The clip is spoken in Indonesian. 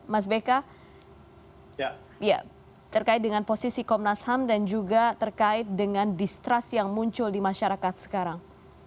mas beka terkait dengan posisi komnas ham dan juga terkait dengan distrust yang muncul di masyarakat sekarang